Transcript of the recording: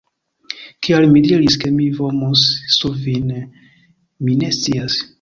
Kial mi diris, ke mi vomus sur vin... mi ne scias